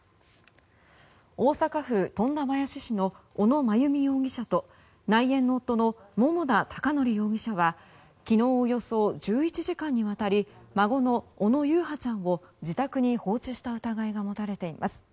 大阪府富田林市の小野真由美容疑者と内縁の夫の桃田貴徳容疑者は昨日およそ１１時間にわたり孫の小野優陽ちゃんを自宅に放置した疑いが持たれています。